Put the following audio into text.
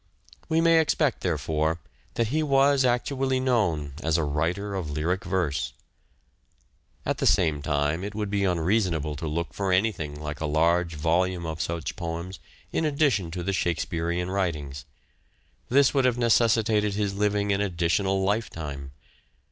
We may expect, therefore, that he was actually known as a writer of lyric verse. At the same time it would be unreasonable to look for anything like a large volume of such poems in addition THE AUTHOR— GENERAL FEATURES 117 to the Shakespearean writings. This would have necessitated his living an additional lifetime.